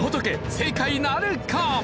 正解なるか？